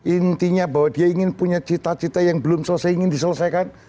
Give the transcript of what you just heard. intinya bahwa dia ingin punya cita cita yang belum selesai ingin diselesaikan